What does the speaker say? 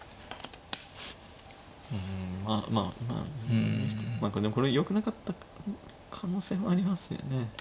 まあこれよくなかった可能性もありますよね。